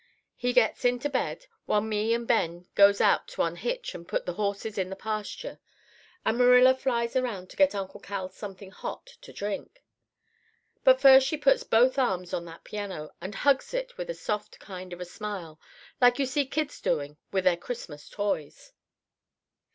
He gets into bed, while me and Ben goes out to unhitch and put the horses in the pasture, and Marilla flies around to get Uncle Cal something hot to drink. But first she puts both arms on that piano and hugs it with a soft kind of a smile, like you see kids doing with their Christmas toys.